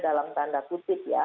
dalam tanda putih ya